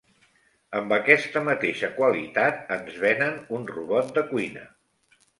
Amb aquesta mateixa qualitat ens venen un robot de cuina.